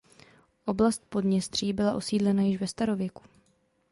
Oblast Podněstří byla osídlena již ve starověku.